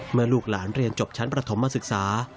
ลูกหลานเรียนจบชั้นประถมมาศึกษา